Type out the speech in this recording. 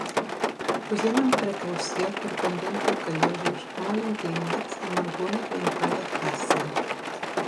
Pugem amb precaució per pendents rocallosos molt inclinats amb alguna grimpada fàcil.